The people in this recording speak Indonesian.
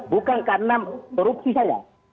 bukan karena korupsi saya